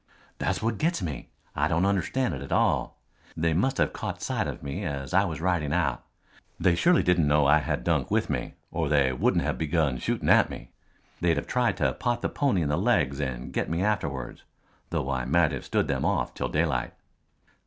"That's what gets me. I don't understand it at all. They must have caught sight of me as I was riding out. They surely didn't know I had Dunk with me or they wouldn't have begun shooting at me. They'd have tried to pot the pony in the legs and get me afterwards, though I might have stood them off till daylight."